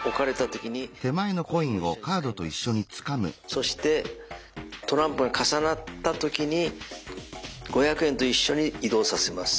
そしてトランプが重なった時に五百円と一緒に移動させます。